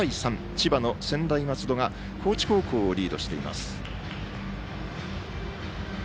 千葉の専大松戸が高知高校をリードしています。